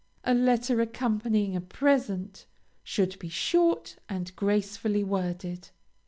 A letter accompanying a present, should be short and gracefully worded.